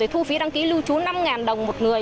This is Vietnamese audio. thu phí đăng ký lưu trú năm đồng một người